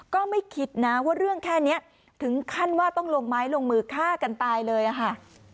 ก็ไม่คิดนะว่าเรื่องแค่นี้ถึงขั้นว่าต้องลงไม้ลงมือฆ่ากันตายเลยอะค่ะ